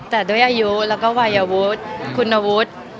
แต่ด้วยอายุแล้วก็วัยวุฒิคุณวุฒิ